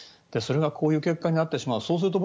それがこういう結果になっています。